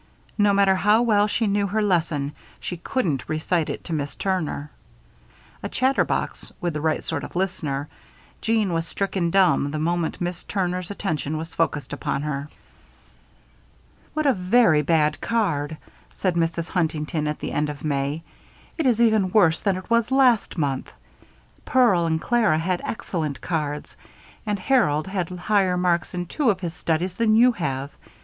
No matter how well she knew her lesson, she couldn't recite it to Miss Turner. A chatterbox, with the right sort of listener, Jeanne was stricken dumb the moment Miss Turner's attention was focused upon her. "What a very bad card!" said Mrs. Huntington, at the end of May. "It is even worse than it was last month. Pearl and Clara had excellent cards and Harold had higher marks in two of his studies than you have.